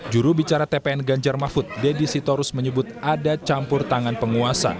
jurubicara tpn ganjar mahfud deddy sitorus menyebut ada campur tangan penguasa